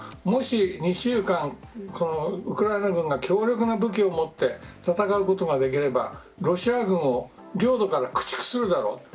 もし２週間、ウクライナ軍が強力な武器を持って戦うことができればロシア軍を領土から駆逐するだろう。